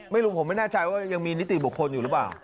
ไม่รู้ผมไม่แน่ใจว่ายังมีนิติบุคคลอยู่หรือเปล่า